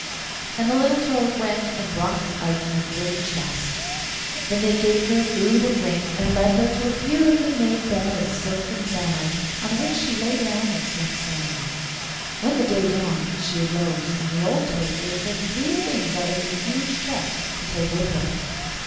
And the little toad went and brought out a great chest. Then they gave her food and drink, and led her to a beautifully made bed of silk and samite, on which she lay down and slept soundly. When the day dawned she arose, and the old toad gave her three things out of the huge chest to take with her.